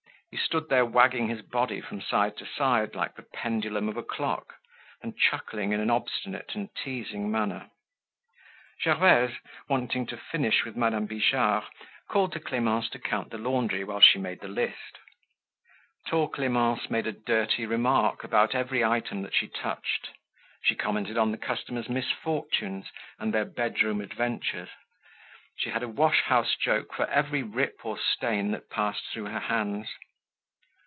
He stood there wagging his body from side to side like the pendulum of a clock and chuckling in an obstinate and teasing manner. Gervaise, wanting to finish with Madame Bijard, called to Clemence to count the laundry while she made the list. Tall Clemence made a dirty remark about every item that she touched. She commented on the customers' misfortunes and their bedroom adventures. She had a wash house joke for every rip or stain that passed through her hands.